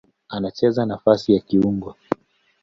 Anacheza nafasi ya kiungo.